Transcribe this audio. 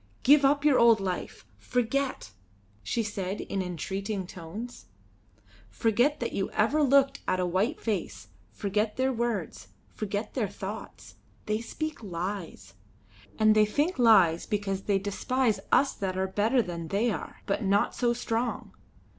"Give up your old life! Forget!" she said in entreating tones. "Forget that you ever looked at a white face; forget their words; forget their thoughts. They speak lies. And they think lies because they despise us that are better than they are, but not so strong.